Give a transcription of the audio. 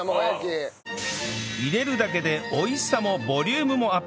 入れるだけで美味しさもボリュームもアップ